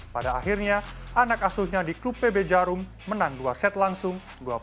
pada akhirnya anak asuhnya di klub pb jarum menang dua set langsung